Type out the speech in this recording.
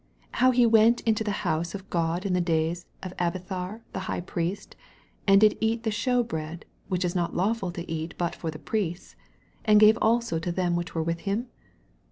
26 How he went into the house of God in the days of Abiathar the High Priest, and did eat the shewbread, which is not lawful to eat but for the Priests, and gave also to them which were with him